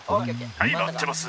「はい回ってます」。